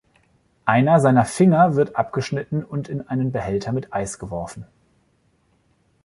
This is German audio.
Einer seiner Finger wird abgeschnitten und in einen Behälter mit Eis geworfen.